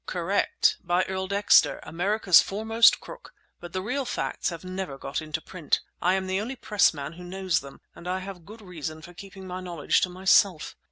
"Correct—by Earl Dexter, America's foremost crook! But the real facts have never got into print. I am the only pressman who knows them, and I have good reason for keeping my knowledge to myself!